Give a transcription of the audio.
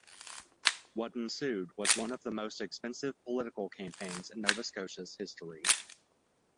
What ensued was one of the most expensive political campaigns in Nova Scotia's history.